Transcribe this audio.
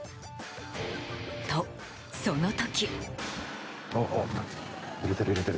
と、その時。